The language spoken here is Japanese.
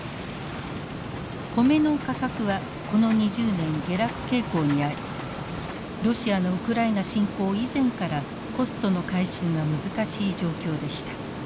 コメの価格はこの２０年下落傾向にありロシアのウクライナ侵攻以前からコストの回収が難しい状況でした。